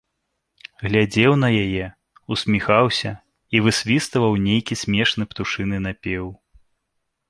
Глядзеў на яе, усміхаўся і высвістваў нейкі смешны птушыны напеў.